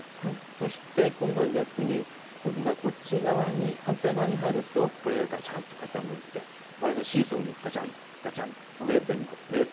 そして今度は逆にこっち側に反対側に入るとこれががちゃんと傾いてまるでシーソーのようにがちゃん、がちゃん。